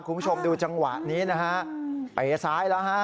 คุณผู้ชมดูจังหวะนี้นะฮะเป๋ซ้ายแล้วฮะ